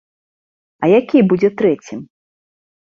А які будзе трэцім?